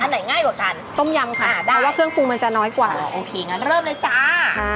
ไหนง่ายกว่ากันต้มยำค่ะได้ว่าเครื่องปรุงมันจะน้อยกว่าเหรอโอเคงั้นเริ่มเลยจ้า